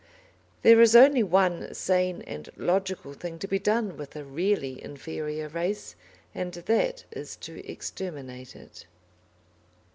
There is only one sane and logical thing to be done with a really inferior race, and that is to exterminate it.